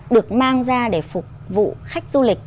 được mang ra để phục vụ khách du lịch